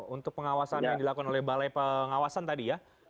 untuk pengawasan yang dilakukan oleh balai pengawasan tadi ya